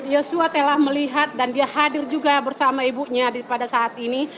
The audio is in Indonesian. yosua telah melihat dan dia hadir juga bersama ibunya pada saat ini